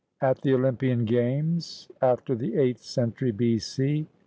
AT THE OLYMPIAN GAMES [After the eighth century B.C.